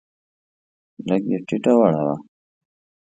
لږ یې ټیټه وړوه.